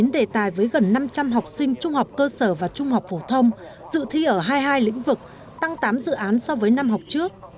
chín đề tài với gần năm trăm linh học sinh trung học cơ sở và trung học phổ thông dự thi ở hai mươi hai lĩnh vực tăng tám dự án so với năm học trước